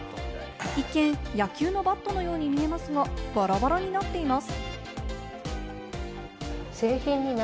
一見、野球のバットのように見えますが、バラバラになっています。